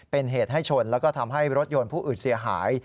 เป็นเหตุให้ชนแล้วก็ทำให้รถยนต์ผู้อื่นเสียหาย